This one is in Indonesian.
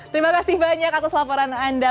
terima kasih banyak atas laporan anda